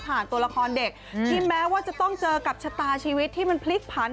ตัวละครเด็กที่แม้ว่าจะต้องเจอกับชะตาชีวิตที่มันพลิกผัน